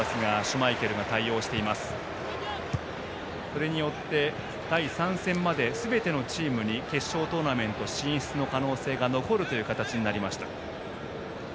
それによって第３戦まですべてのチームに決勝トーナメント進出の可能性が残るという形になりました。